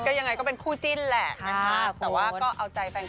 รักใคร